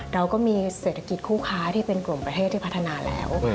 เราก็มีเศรษฐกิจคู่ค้าที่เป็นกลุ่มประเทศที่พัฒนาแล้ว